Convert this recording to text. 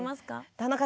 田中さん